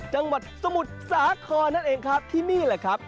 จังหวัดสมุทรสาครนั่นเองครับที่นี่แหละครับ